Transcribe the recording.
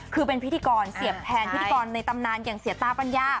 คือเป็นพิธีกรเสียบแทนพิธีกรในตำนานอย่างเสียตาปัญญา